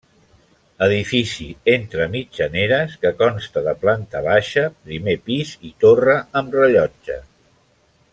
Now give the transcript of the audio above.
Edifici entre mitjaneres que consta de planta baixa, primer pis i torre amb rellotge.